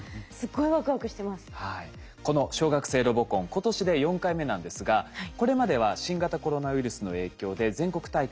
この小学生ロボコン今年で４回目なんですがこれまでは新型コロナウイルスの影響で全国大会